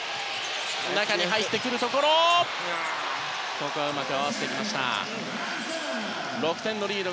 ここはうまく合わせてきましたフィンランド。